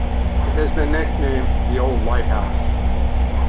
It has been nicknamed, "The Old Lighthouse".